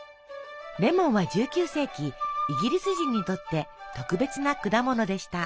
レモンは１９世紀イギリス人にとって特別な果物でした。